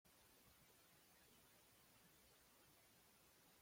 Apariciones en Star Trek